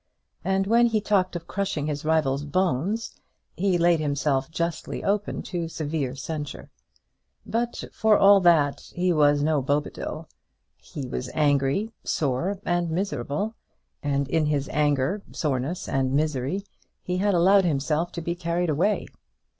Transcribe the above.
And when he talked of crushing his rival's bones, he laid himself justly open to severe censure. But, for all that, he was no Bobadil. He was angry, sore, and miserable; and in his anger, soreness, and misery, he had allowed himself to be carried away.